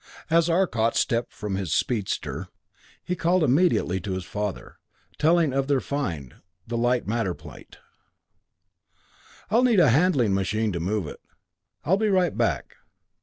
As Arcot stepped from his speedster, he called immediately to his father, telling of their find, the light matter plate. "I'll need a handling machine to move it. I'll be right back."